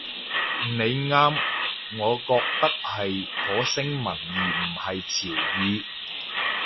你啱，我覺得係火星文而唔係潮語